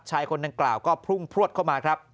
ชายคนนั้นกล่าวก็พุ่งพรวดเข้ามาครับ